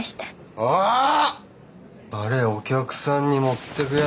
あれお客さんに持っていくやつ！